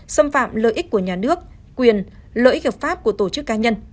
xâm phạm lợi ích của nhà nước quyền lợi ích hợp pháp của tổ chức cá nhân